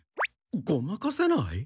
ごまかせない？